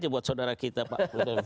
buat saudara kita pak